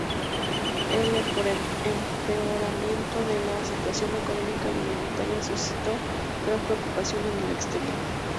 El empeoramiento de la situación económica y humanitaria suscitó gran preocupación en el exterior.